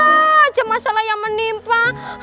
aja masalah yang menimpa